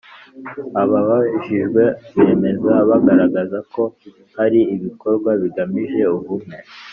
ababajijwe bemeza bagaragaza ko hari ibikorwa bigamije ubumwe